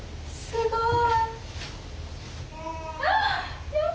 すごい。